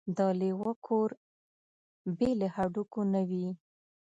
د لېوه کور بې له هډوکو نه وي.